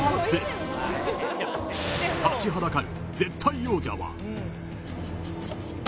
［立ちはだかる］